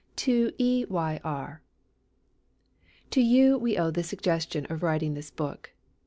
TO E. Y. R. To you we owe the suggestion of writing this book.